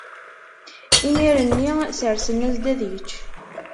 Imir-nni sersen-as-d ad yečč.